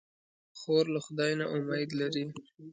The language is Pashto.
خور له خدای نه امید لري.